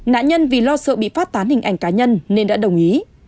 nạn nhân vì lo sợ bị phát tán hình ảnh cá nhân nên đã đồng ý